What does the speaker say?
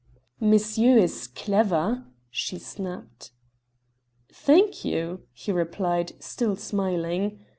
"Monsieur is clever," she snapped. "Thank you," he replied, still smiling.